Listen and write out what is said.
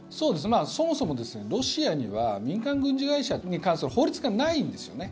そもそもロシアには民間軍事会社に関する法律がないんですよね。